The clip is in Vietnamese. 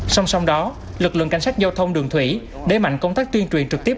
song song đó lực lượng cảnh sát giao thông đường thủy đẩy mạnh công tác tuyên truyền trực tiếp